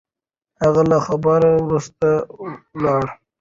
هغه له خبرو وروسته ولاړ.